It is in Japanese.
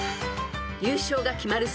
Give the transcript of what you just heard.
［優勝が決まる